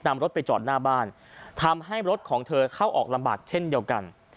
นำรถไปจอดหน้าบ้านทำให้รถของเธอเข้าออกลำบากเช่นเดียวกัน